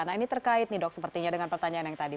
nah ini terkait nih dok sepertinya dengan pertanyaan yang tadi